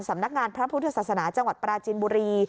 สำนักงานพระพุทธศาสนาจังหวัดปราจินบุรี